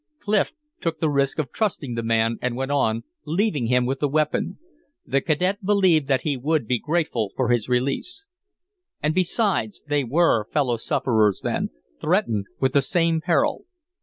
Clif took the risk of trusting the man, and went on, leaving him with the weapon. The cadet believed that he would be grateful for his release. And besides they were fellow sufferers then, threatened with the same peril.